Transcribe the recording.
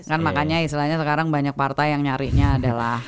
kan makanya istilahnya sekarang banyak partai yang nyarinya adalah